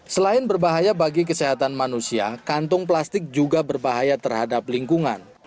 selain berbahaya bagi kesehatan manusia kantong plastik juga berbahaya terhadap lingkungan